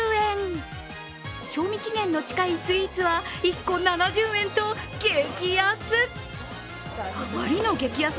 賞味期限の近いスイーツは１個７０円と激安！